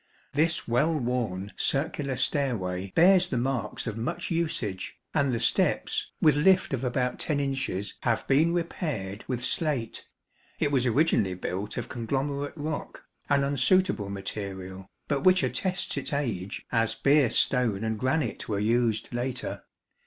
This well worn circular stairway bears the marks of much usage, and the steps, with lift of about 10 inches, have been repaired with slate ; it was originally built of con glomerate rock, an unsuitable material, but which attests its age, as Beer stone and granite were used later.